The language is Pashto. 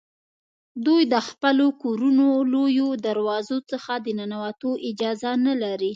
دوی د خپلو کورونو له لویو دروازو څخه د ننوتو اجازه نه لري.